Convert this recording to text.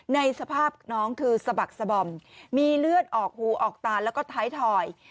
ในสภาพน้องคือสะบักสบอมมีเลือดออกหูออกตาแล้วก็ท้ายถอย